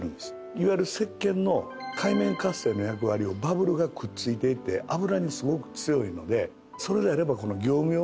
いわゆる石けんの界面活性の役割をバブルがくっついていって油にすごく強いのでそれであれば業務用のね